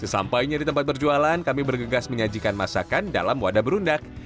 sesampainya di tempat berjualan kami bergegas menyajikan masakan dalam wadah berundak